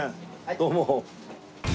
どうも。